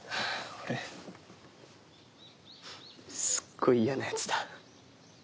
俺すっごい嫌なやつだ。